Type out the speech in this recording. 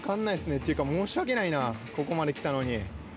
というか申し訳ないな、ここまで来たのに。